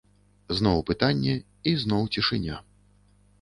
Зноў пытанне, і зноў цішыня.